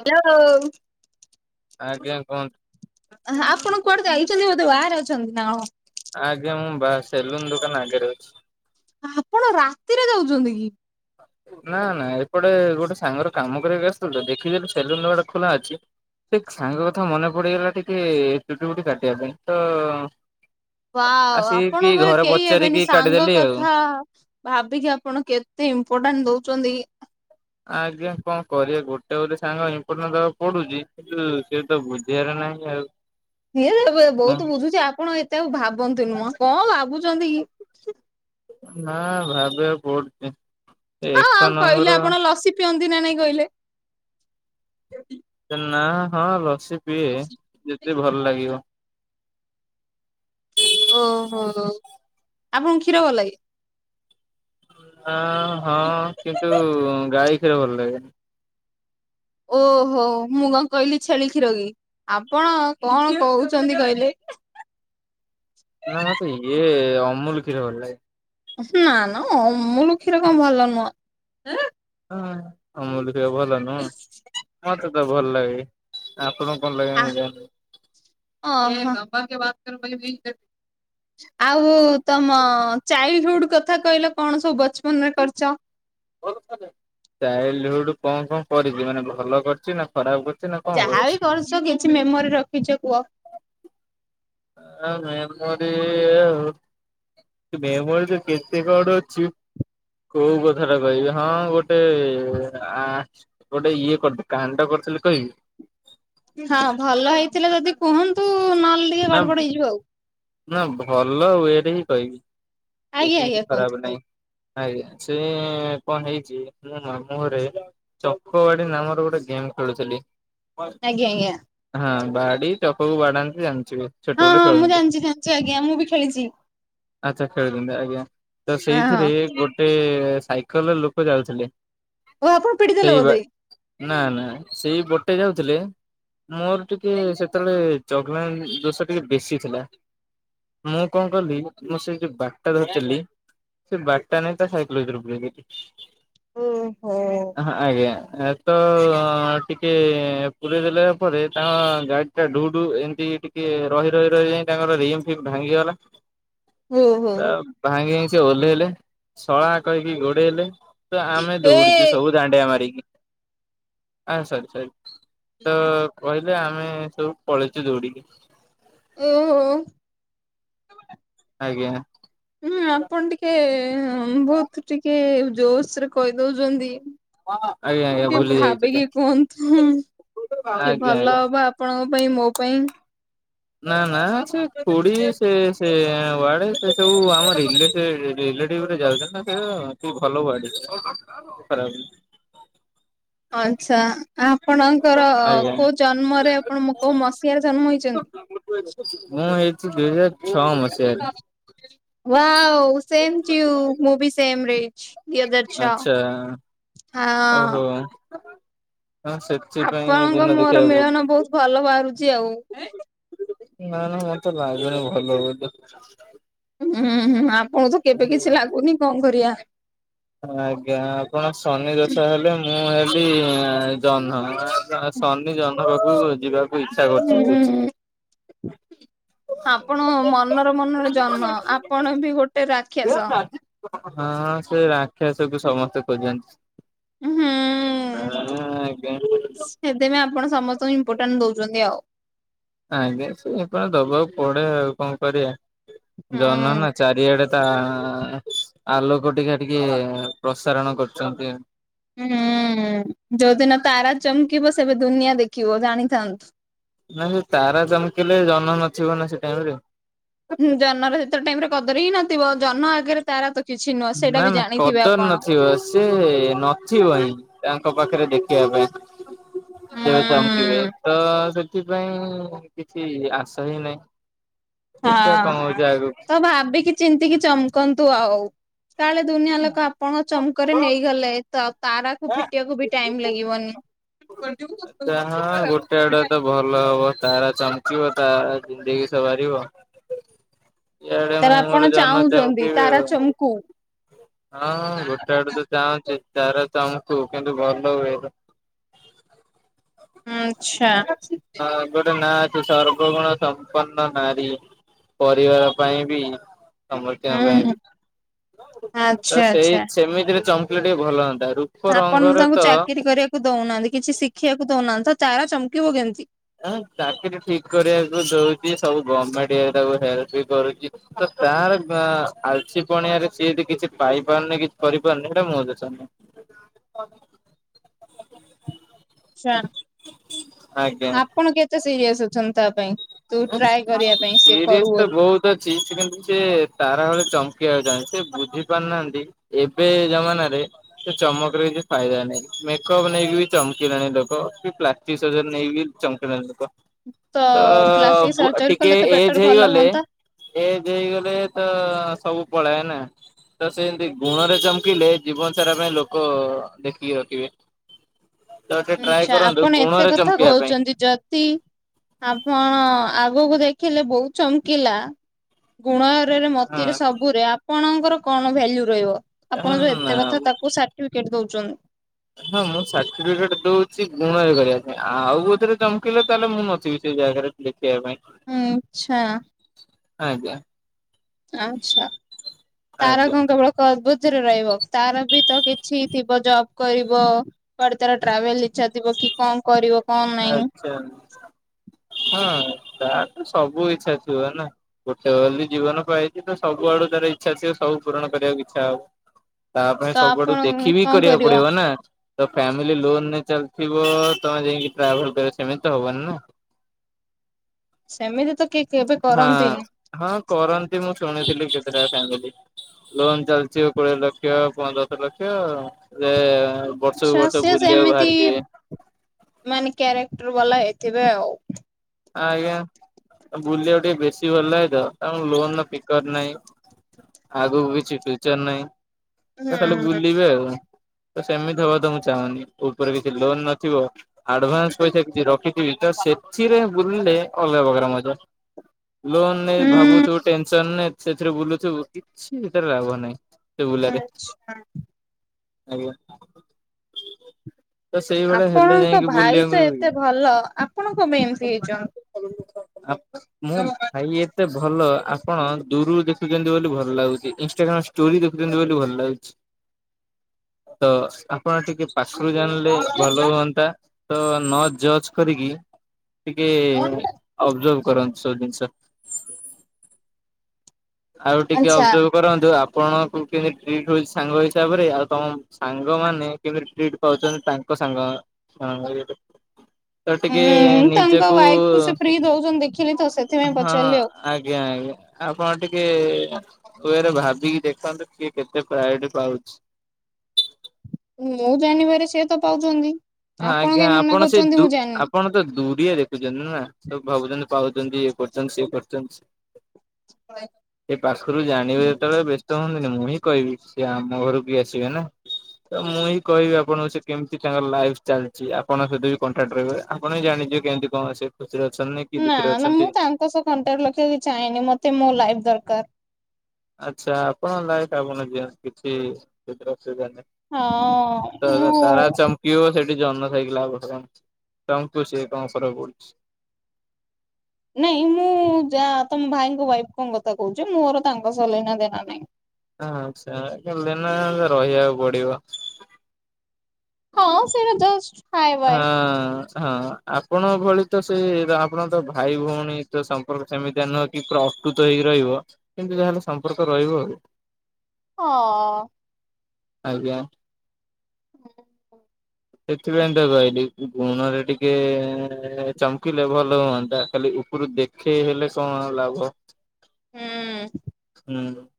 Hello ଆଜ୍ଞା କୁହନ୍ତୁ ଆପଣ କୁଆଡ଼େ ଯାଇଛନ୍ତି ବୋଧେ ବାହାରେ ଅଛନ୍ତି ନା ବାସ୍ ସେଲୁନ ଦୋକାନ ଆଗରେ ଅଛି ଆପଣ ରାତିରେ ଯାଉଛନ୍ତି କି? ନା ନା ଏପଟେ ଗୋଟେ ସାଙ୍ଗର କାମ କରିକି ଆସିଥିଲୁ ତ ଦେଖିଲୁ ସେଲୁନ କବାଟ ଖୋଲା ଅଛି ଠିକ୍ ସାଙ୍ଗ କଥା ମନେ ପଡ଼ିଗଲା ଟିକେ ଚୁଟି ବୁଟି କାଟିବା ପାଇଁ ତ ୱାଓ ଆସିକି ଆପଣ ଭରେ ଘରେ କେହି ହେବେନି ପଚାରିକି ସାଙ୍ଗ କାଟିଦେଲି ଆଉ। କଥା ଭାବିକି ଆପଣ କେତେ ଇମ୍ପୋଟାଣ୍ଟ ଇମ୍ପୋଟାଣ୍ଟ ଦଉଛନ୍ତି। ଆଜ୍ଞା କଣ କରିବା ଗୋଟେ ବୋଲି ସାଙ୍ଗ ଇମ୍ପୋଟାଣ୍ଟ ଦବାକୁ ପଡୁଛି କିନ୍ତୁ ସିଏ ତ ବୁଝିବାର ନାହିଁ। ବୁଝିବାର ନାହିଁ ଆଉ। ସିଏ ତ ଏବେ ବହୁତ ବୁଝୁଛି ଆପଣ ଏଟାକୁ ଭାବନ୍ତୁନି। ଭାବନ୍ତୁନି ମ କଣ ଭାବୁଛନ୍ତି କି? ନା ଭାବିବାକୁ ପଡୁଛି ହଁ ଆଉ ଏକ କହିଲେ ନମ୍ବର ଆପଣ ଲସି ପିଅନ୍ତି ନା ନାଇଁ କହିଲେ ନା ହଁ ଲସି ପିଏ, ଯେତେ ଭଲ ଲାଗିବ। ଓହୋ, ଆପଣଙ୍କୁ କ୍ଷୀର ଭଲ ଲାଗେ। ଆ ହଁ କିନ୍ତୁ ଗାଈ କ୍ଷୀର ଭଲ ଲାଗେ। ଓହୋ ମୁଁ କଣ କହିଲି ଛେଳି କ୍ଷୀର କି। ଆପଣ କଣ କହୁଛନ୍ତି କହିଲେ। [inaudible] ନା ମତେ ଇଏ ଅମୁଲ କ୍ଷୀର ଭଲ ଲାଗେ। ନା ନା ଅମୁଲୁ କ୍ଷୀର କଣ ଭଲ ନୁହଁ। ଅମୁଲୁ କ୍ଷୀର ଭଲ ନୁହଁ। ମତେ ତ ଭଲ ଲାଗେ। ଆପଣ। ଆଃ [unintelligible] [unintelligible] ଆଉ ତମ ଚାଇଲ୍ଡ ହୁଡ କଥା କହିଲ କଣ ସବୁ ବଚପନ ରେ କରିଚ। ଚାଇଲ୍ଡ ହୁଡ କଣ କଣ କରିଛି ମାନେ ଭଲ କରିଛି ନା ଖରାପ କରି ଯାହା ବି କରିଚ କିଛି ମେମୋରି ରଖିଚ କୁହ। ଆ ମେମୋରୀ ମେମୋରି ତ କେତେ କଣ ଅଛି। କୋଉ କଥାଟା କହିବି ହଁ ଗୋଟେ ଆ ଗୋଟେ ଇଏ କରିଚି। କାଣ୍ଡ କ କହିବି। ହଁ ଭଲ ହେଇଥିଲେ ଯଦି କୁହନ୍ତୁ ନହେଲେ ଟିକେ ନା ଗଡ ବଡ ହେଇଯିବ ଆଉ। ନା ଭଲ ୱେ ରେ ହିଁ କହିବି। ଆଜ୍ଞା ବେଶୀ କିଛି ଆଜ୍ଞା କୁହନ୍ତୁ ଖରାପ କୁହନ୍ତୁ ନାହିଁ। ଆଜ୍ଞା। ସେ କଣ ହେଇଛି ମୋ ମାମୁଁ ଘରେ ଚକବାଡି ନାମର ଗୋଟେ ଗେମ୍ ଖେଳୁଥିଲି। ଆଜ୍ଞା ଆଜ୍ଞା ହଁ ବାଡି ଚକକୁ ବାଡାନ୍ତି ଜାଣି ହଁ ଛୋଟବେଳେ ହଁ ମୁଁ ଖେଳନ୍ତି। ଜାଣିଚି ଜାଣିଚି ଆଜ୍ଞା ମୁଁ ବି ଖେଳିଚି। ଆଚ୍ଛା ଖେଳ। [unintelligible] ଆଜ୍ଞା ତ ହଁ ହଁ ସେଇଥିରେ ଗୋଟେ ସାଇକେଲ ରେ ଲୋକ ଯାଉଥିଲେ। ଓ ଆପଣ ସେଇ ପିଟିଦେଲେ ବା ବୋଧେ। ନା ନା ସେଇ ପଟେ ଯାଉଥିଲେ। ମୋର ଟିକେ ସେତେବେଳେ ଚଗଲାମି ଦୋଷ ଟିକେ ବେଶୀ ଥିଲା। ମୁଁ କଣ କଲିି ମୁଁ ସେ ଯୋଉ ବାଡି ଟା ଧରିଥିଲି ସେ ବାଡି ଟା ନେଇକି ତା ସାଇକେଲ ଭିତରେ ପୁରେଇଦେଲି। ଓ ହୋ। ଏ ତ ଟିକେ ପୁରେଇ ଦେଲା ପରେ ତାଙ୍କ ଗାଡି ଟା ଢୁଢୁ ଏମିତି ଟି ଟିକେ ରହି ରହି ରହି ଯାଇ ତାଙ୍କର ରିମ୍ ଫିମ ଭାଙ୍ଗିଗଲା। ଓହୋ ତା ଭାଙ୍ଗି ଭାଙ୍ଗି ସେ ଓହ୍ଲେଇଲେ ଶଳା କହିକି ଗୋଡେଇଲେ ତ ଆମେ ହେ ଦୌଇଡିଚୁ ସବୁ ଦାଣ୍ଡିଆ ମାରିକି। ଆଁ ସରି ସରି। ତ କହିଲେ ଆମେ ସବୁ ପଳେଇଚୁ ଦୌଡିକିରି। ଉଁ। ଆଜ୍ଞା। ହୁଁ ଆପଣ ଟିକେ ବହୁତ ଟିକେ ଜୋସ ରେ କହିଦଉଛନ୍ତି। ଆଜ୍ଞା ଆଜ୍ଞା ଟିକେ ଭୁଲି ଯାଇଥିଲି ଭାବିକି କୁହନ୍ତୁ। ଟିକେ ଆଜ୍ଞା ଭଲ ଆଜ୍ଞା। ହବ ଆପଣଙ୍କ ଙ୍କ ପାଇଁ ମୋ ପାଇଁ। ନା ନା ସେ କୋଡ଼ି ସେ ସେ। [unintelligible] ସେ ସବୁ ଆମ ରିଲେଟିଭ୍ ରେଲେଟିଭ୍ ରେ ଯାଉଛନ୍ତି। [unintelligible] [unintelligible] ଆଚ୍ଛା। ଆପଣଙ୍କର ଆଜ୍ଞା କୋଉ ଜନ୍ମରେ ଆପଣ କୋଉ ମସିହା ରେ ଜନ୍ମ ହେଇଛନ୍ତି? [unintelligible] [unintelligible] ମସିହାରେ ୱାଓ ସେମ୍ ଟୁ ୟୁ। ମୁଁ ବି ସେମ୍ ରେ। ଦୁଇ ହଜାର ଛଅ। ଆଚ୍ଛା ଓହୋ ହଁ। ହଁ ସେଥିପାଇଁ ଆପଣଙ୍କ ଦିନ ମୋର ଦେଖିବାକୁ ମିଳନ ପଡୁଛି ବହୁତ ଭଲ ବାହାରୁଚି ଆଉ। ନା ନା ମତେ ଲାଗୁନି ଭଲ ବୋଲି ତ। ହୁଁ ହୁଁ ଆପଣଙ୍କୁ ତ କେବେ କିଛି ଲାଗୁନି କଣ କରିବା। ଆଜ୍ଞା ଆପଣ ଶନି ଦୋଷ ହେଲେ ମୁଁ ହେଲି ଜହ୍ନ। ସନି ଜହ୍ନ ପାଖକୁ ଯିବାକୁ ଇଚ୍ଛା କରୁଚି ବହୁତ। ହୁଁ। ଆପଣ ମନର ମନରେ ଜନ୍ମ ଆପଣ ବି ଗୋଟେ ରାକ୍ଷାସ। ହଁ ସେ ରାକ୍ଷାସକୁୁ ସମସ୍ତେ ଖୋଜନ୍ତି। ହୁଁ ଆଁ ଆଜ୍ଞା। ତ ଇମ୍ପୋଟାଣ୍ଟ ଦୋଉଚନ୍ତି ଆଉ। ଆଜ୍ଞା ସେ କଣ ଦବାକୁ ପଡେ ଆଉ କଣ କରିବା ଜହ୍ନ ହୁଁ। ନା ଚାରିଆଡେ ତା ଆଲୋକ ଟିକେ ଟିକେ ପ୍ରସାରଣ କରୁଚନ୍ତି। ହୁଁ ଯୋଉଦିନ ତାରା ଚମ୍ କିବ ସେବେ ଦୁନିଆ ଦେଖିବ ଜାଣିଥାନ୍ତୁ। ନା ସେ ତାରା ଚମକିଲେ ଜହ୍ନ ନଥିବ ନା ସେ ଟାଇମରେ। ହୁଁ ଜହ୍ନ ର ସେତର ଟାଇମରେ କଦର୍ ହିଁ ନଥିବ ଜହ୍ନ ଆଗରେ ତାରା ତ କିଛି ନୁହଁ ସେଇଟା ନା ବି ନା ଜାଣିଥିବେ କଦର ଆପଣ। ନଥିବ ସେ ନଥିବ ହିଁ ତାଙ୍କ ପାଖରେ ଦେଖ। ଖିବା ପାଇଁ ହୁଁ କେବେ ଚମକିବେ ତ ସେ ସେଥିପାଇଁ କିଛି ଆଶା ହିଁ ନାହିଁ। ଦେଖିବା କଣ ହଁ ହଉଛି ଆଗକୁ। ତ ଭାବିକି ଚିନ୍ତିକି ଚମକନ୍ତୁ ଆଉ। କାଳେ ଦୁନିଆ ଲୋକ ଆପଣଙ୍କ ଚମକରେ ନେଇଗଲେ ତ ତାରାକୁ ଫିଟିବାକୁ ବି ଟାଇମ୍ ଲାଗିବନି। ଆଛା ହଁ ଗୋଟେ ଆଡେ ତ ଭଲ ହବ ତାରା ଚମକିବ ତା ତା ଜିନ୍ଦେଗୀ ସବାରିବ। ଇଆଡ଼େ ତାର ମୁଁ ଆପଣ ମୋର ଜହ୍ନ ଚମ୍ ଚାହୁଁଛନ୍ତି କିବି ତାରା ଆଉ। ଚମକୁ ହଁ ଗୋଟେ ଆଡୁ ତ ଚାହୁଁଚି ତାରା ଚମକୁ କିନ୍ତୁ ଭଲ ୱେରେ। ହୁଁ ଆଚ୍ଛା। ସେ ସର୍ବଗୁଣ ସମ୍ପନ୍ନ ନାରୀ ପରିବାର ପାଇଁ ବି। ସମସ୍ତଙ୍କ ପାଇଁ ହୁଁ ବି ତ ଆଚ୍ଛା ସେଇ ଆଚ୍ଛା। ସେମିତିରେ ଚମ୍ କିଲେ ଟିକେ ଭଲ ହୁଅନ୍ତା। ରୂପ ଆପଣ ତ ରଙ୍ଗରେ ତାଙ୍କୁ ଚାକିରୀ କରିବାକୁ ଦଉନାହାନ୍ତି କିଛି ଶିଖିବାକୁ ଦଉନାହାନ୍ତି ତ ତାରା ଚମକିବ କେମିତି। ଚାକିରି ଠିକ୍‌ କରିବାକୁ ଦଉଚି ସବୁ ଗମେଣ୍ଟ ଇଏ ତାକୁ ହେଲ୍ପ ବି କରୁଚି। ତାର ଆଲସି ପଣିଆରେ ସିଏ ଏଠି କିଛି ପାଇ ପାରୁନି କିଛି କରିପାରୁନି ସେଟା ମୋ ଦୋଷ ନୁହେଁ। [inaudible] [inaudible] ଆଜ୍ଞା। ଆପଣ କେତେ ସିରିଅସ ଅଛନ୍ତି ତା ପାଇଁ? ତୁ ଟ୍ରାଏ କରିବା ପାଇଁ ସିଏ କରୁ ସିରିଏସ ତ ବୋଲି ବହୁତ ଅଛି ସେ କିନ୍ତୁ ଟିକେ ତାରା ଭଳି ଚମକୁ କିଏ ଆଉ ଚାହୁଁଚି ସେ ବୁଝି ପାରୁନାହାନ୍ତି ଏବେ ଜମାନାରେ ସେ ଚମକରେ କିଛି ଫାଇଦା ନାହିଁ। ମେକଅପ୍ ନେଇକି ବି ଚମକିିଲେଣି ଲୋକ କି ପ୍ଲାଷ୍ଟିକ ସର୍ଜରୀ ନେଇକି ଚମ୍ କିିଲେଣି ଲୋକ। ତ ପ୍ଲାଷ୍ ସବୁ ଆ ଟିକେ ଏଜ୍‌ ହେଇଗଲେ ଏଜ୍‌ ହେଇଗଲେ ତ ସବୁ ପଳାଏ ନା ତ ସେମିତି ଗୁଣରେ ଚମକିଲେ ଜୀବନ ସାରା ପାଇଁ ଲୋକ ଦେଖିବେ। ଖିବେ [inaudible] ଆଚ୍ଛା ଆପଣ ଏତେ ଗୁଣରେ କଥା ଚମକିବା ପାଇଁ କହୁଛନ୍ତି ଯଦି ଆପଣ ଆଉ ଗକୁ ଦେଖିଲେ ବୋଉ ଚମ୍ କିଲା ଗୁଣରରେ ମତିରେ ହଁ ସବୁରେ ଆପ୍ ଆପଣଙ୍କର କଣ ଭ୍ୟାଲୁ ରହିବ ଆପଣ ଯୋଉ ନା ଏତେ କଥା ତାକୁ ସାର୍ଟିଫିକେଟ ଦୋଉଚନ୍ତି। ହଁ ମୁଁ ସାର୍ଟିଫିକେଟ ଦଉଚି ଗୁଣରେ କରିବା ପାଇଁ ଆଉ କୋଉଥିରେ ଚମକିଲେ ତାହେଲେ ମୁଁ ନଥିବି ସେ ଜାଗାରେ ଥିଲି। ହୁଁ ଆଚ୍ଛା। ଆଜ୍ଞା। ଆଚ୍ଛା ତାରା ଆଜ୍ଞା କଣ କେବଳ। [unintelligible] ଝିରେ ରହିବ ତାର ବି ତ କିଛି ଥିବ ଜବ୍ କରିବ କୁଆଡେ ତାର ଟ୍ରାଭେଲ ଇଚ୍ଛା ଥିବ। କି କଣ କରିବ? କଣ ନାଇଁ ଆଛା ହଁ ତାର ତ ସବୁ ଇଚ୍ଛା ଥିବ ନା। ଗୋଟେ ବୋଲି ଜୀବନ ପାଇଛି ତ ସବୁଆଡୁ ତାର ଇଚ୍ଛାଥିବ ସବୁ ପୂରଣ କରିବାକୁ ଇଚ୍ଛା ହବ। ତା ପାଇଁ ତ ସବୁଆଡୁ ଆପଣ ଦେଖି ବିି କଣ କରିବାକୁ କରିବ? ପଡିବ ନା। ତ ଫ୍ୟାମିଲି ଲୋନରେ ଚାଲିଥିବ ତମେ ଯାଇକି ଟ୍ରାଭେଲ କରିବ ସେମିତି ତ ହବନି ନା। ସେମିତି ତ କେ ହଁ ହଁ କରନ୍ତି ମୁଁ ଶୁଣିଥିଲି କେତେଟା ଫାମିଲି। ଲୋନ ଚାଲିଚି କୋଡ଼ିଏ ଲକ୍ଷ୍ୟ ପନ୍ଦତ ଲକ୍ଷ୍ୟ ଯେ ବର୍ଷକୁ ବର୍ଷ ଶସ୍ୟ ବୁଲିବାକୁ ସେମିତି ବାହାରିଯିବେ ମାନେ କେ ଟ୍ରୁବାଲା ହେଇଥିବେ ଆଉ। ଆଜ୍ଞା ବୁଲିବାକୁ ଟିକେ ବେଶୀ ଭଲ ଲାଗେତ ତାଙ୍କଲୋନର ସ୍ପିପିକର ନାହିଁ। ଆଗକୁ କିଛି ଫିୟୁର୍ଚର ନାହିଁ ଖାଲି ହୁଁ ବୁଲିବେ ଆଉ। ତ ସେମିତି ହବା ତ ମୁଁ ଚାହୁଁନି ଉପରେ କିଛି ଲୋନ ନଥିବ ଆଡଭାନ୍ସ ପଇସା କିଛି ରଖିଥିବି ତ ସେଥିରେ ବୁଲିଲେ ଅଲଗା ପ୍ରକାର ମଜା। ଲୋନ ନେବୁ ହୁଁ ଭାବୁଥିବୁ ଟେନସନ ନ ସେଥିରେ ବୁଲୁଥିବୁକି କିଛି ଗୋଟେ ଲାଭ ନାହିଁ। ସେବୁଲାରେ ଆଚ୍ଛା। ଆଜ୍ଞା। ତ ସେଇଭଳିଆ ହେଲେ ଆପଣଙ୍କ ଯାଇକି ଭାଇ ବୁଲିବାକୁ ତ ଏତେ ଭଲ ଆପଣ କଣ ପାଇଁ ଏମିତି ହେଇଛନ୍ତି। ଆ ମୁଁ ଭାଇ ଏତେ ଭଲ ଆପଣ ଦୂରରୁ ଦେଖୁଛନ୍ତି ବୋଲି ଭଲ ଲାଗୁଛି ଇନଷ୍ଟା ଟାଗ୍ରାମଷ୍ଟୋରି ଦେଖୁଛନ୍ତି ବୋଲି ଭଲ ଲାଗୁଛି। [inaudible] ତ ଆପଣ ଟିକେ ପାଖରୁ ଜାଣିଲେ ଭଲ ହୁଅନ୍ତା ତ ନ ଜଜ କରିକି? ଟିକେ ଅବଜର୍ଭ କରନ୍ତି ସବୁ ଜିନିଷ। ଆଉ ଟିକେ ଆଚ୍ଛା। ଅବଜର୍ଭ କରନ୍ତୁ ଆପ ଆପଣଙ୍କୁ କେମିତି ଟିଟି ହଉଛି ସାଙ୍ଗ ହିସାବରେ ଆଉ ତମ ସାଙ୍ଗମାନେ କେମିତି ଟ୍ରିଟ୍ ପାଉଛନ୍ତି ତାଙ୍କ ସାଙ୍ଗ ହଁ ଇଏଟେ। ତ ଟିକେ ହୁଁ ତାଙ୍କ ନିଜକୁ ୱାଇଫ କୁ ସେ ଫ୍ରି ଦଉଛନ୍ତି ଦେଖିଲି ତ ସେଥିପାଇଁ ହଁ ପଚାରିଲି ଆଉ। ଆଜ୍ଞା ଆଜ୍ଞା। ଆଉ କଣ ଟିକେ ଟିକେକୁରେ ଭାବିକି ଦେଖନ୍ତୁ କିଏ କେତେ ପ୍ରାୟୋରିଟି ପାଉଛି। ମୁଁ ଜାଣିବାରେ ସେ ତ ପାଉଛନ୍ତି। ହଁ ଆପଣ ଆଜ୍ଞା କାଇଁ ମନା ଆପଣ ସେଇ କରୁଛନ୍ତି ଦୁ ମୁଁ ଜାଣିନି। ଆପଣ ତ ଦୁରିଆରେ ଭାବୁଚନ୍ତିନା ସବୁ ଭାବୁତନ୍ତି ପାଉଛନ୍ତି ଏ କରୁଛନ୍ତି ସିଏ କରୁଛନ୍ତି। ଏ ପାଖରୁ ଜାଣିବେ ଯେତବେଳେ ବ୍ୟସ୍ତ ହୁଅନ୍ତୁନି। ମୁଁ ହିଁ କହିବି ସେି ଆମ ଘରକୁ ଆସିବେ ନା। ତ ମୁଁ ହିଁ କହିବି ଆପଣଙ୍କୁ ସେ କେମିତି ତାଙ୍କର ଲାଇଫ୍ ଚାଲିଛି ଆପଣ ସହିତ ବି କଣ୍ଟାକ୍ଟ ରହିବ ଆପଣ ବି ଜାଣିିବ କେିତି କଣ ସେ ଖୁସିରେ ଅଛନ୍ତି କି ନା ଦୁଃଖରେ ନା ଅଛନ୍ତି। ମୁଁ ତାଙ୍କ ସହ କଣ୍ଟାକ୍ଟ ଲଖିବାକୁ ଚାହେଁନି ମତେ ମୋ ଲାଇଫି ଦରକାର। ଆଚ୍ଛା ଆପଣ ଲାଇଫି ଆପଣ ଜିଅନ୍ତି କିଛି ସୁଗାନେ ହଁ ତ ମୁଁ ତାରା ଚମକିଵ ସେ ଜହ୍ନ ଥାଇକି ଲାଭକଣ ଚମକୁ ସିଏ କଣ ଫରର୍କ ପଡୁଚି। ନାଇଁ ମୁଁ ଯା ତମ ଭାଇଙ୍କ ୱାଇଫଙ୍କ କଥା କହୁଛି ମୋର ତାଙ୍କ ସହ ଲେନା ଦେନା ନାହିଁ। ଆଛା ଲେନା ଦ ରହିବାକୁ ପଡିବ। ହଁ ସେଇଟା ଜଷ୍ଟ ହାଏ ବାଏ ହଁ ହଁ ଆପଣ ଭଳି ତ ସେ ଆପଣ ତ ଭାଇ ଭଉଣୀ ତ ସମ୍ପର୍କ ସେମିତିଆ ନୁହଁକି ପ୍ରପ୍ ପ୍ରକୁତ ହେଇକି ରହିବ କିନ୍ତୁ ଯାହାହେଲେ ସମ୍ପର୍କ ରହିବ ଆଉ। ହଁ। ଆଜ୍ଞା। ସେଥିପାଇଁ ଦେଖିଆକୁ ପାଇଲି ଗୁଣରେ ଟିକେ ଚମକିଲେ ଭଲ ହୁଅନ୍ତା ଖାଲି ଉପରୁ ଦେଖେଇ ଦେଖେଇ ହେଲେ କଣ ଲଭ ହୁଁ। ହୁଁ।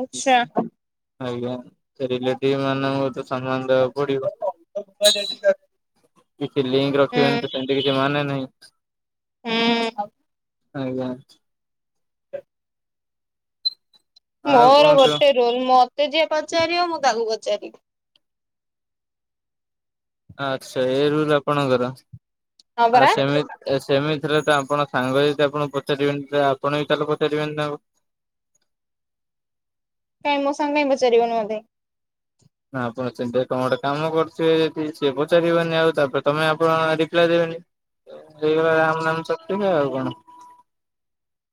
ଆଚଛା ଆଜ୍ଞା ସେ ରିଲେଟିଭ ମାନଙ୍କୁେ ସମାନ ଦେ ଠ [unintelligible] କି ଲିଙ୍କ ରଖିବ ସେମିତି କିଛି ମାନେ ନାହିଁ ହୁଁ ଆଜ୍ଞା ଆଉ ମୋର କୁହନ୍ତୁ ଗୋଟେ ରୋଲ -ମତେ ଯିଏ ପଚାରିବ ଆ ମୁଁ ତାକୁ ପଚାରିବି ଆଚ୍ଛା ଏଇ ରୁଲ ଆପଣଙ୍କର ହଁ ଆ ପରା ସେମିତି ସେମିତି [unintelligible] ତ ଆପଣ ସାଙ୍ଗ ଯଦି ଆପଣଙ୍କୁ ପଚାରିବେନି, ଆପଣ ବି ତାହେଲେ ପଚାରିବେନି ତାଙ୍କୁ କାଇଁ ମୋ ସାଙ୍ଗ କାଇଁ ପଚାରିବନି ମତେ ନା ଆପଣ ସେମିତି କଣ ଗୋଟେ କାମ କରୁଥିବେ, ଯଦି ସିଏ ପଚାରିବନି ଆଉ, ତାପରେ ତମେ ଆପଣ ରିପ୍ଲାଏ ଦେବେନି ହେଇଗଲା ରାମ ନାମ ସତ୍ୟ କେ ଆଉ କଣ? [inaudible]